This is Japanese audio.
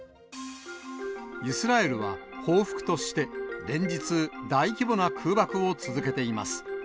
イスラエルは報復として、連日、大規模な空爆を続けています。